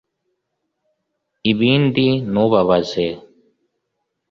ibindi ntubabaze